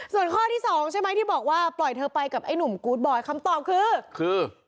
ส่วนข้อที่สองใช่ไหมที่บอกว่าปล่อยเธอไปกับไอ้หนุ่มกู๊ดบอยคำตอบคือคือ